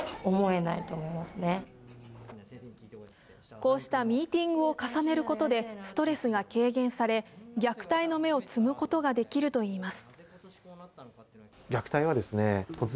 こうしたミーティングを重ねることでストレスが軽減され虐待の芽を摘むことができるといいます。